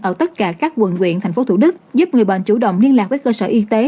ở tất cả các quận quyện tp thủ đức giúp người bệnh chủ động liên lạc với cơ sở y tế